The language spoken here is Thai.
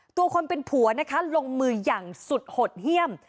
ตัวคนเป็นผัวนะคะลงมืออย่างสุดหดเยี่ยม